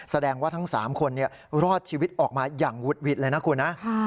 แสดงว่าทั้ง๓คนรอดชีวิตออกมาอย่างวุดหวิดเลยนะคุณนะ